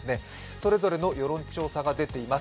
それぞれの世論調査が出ています。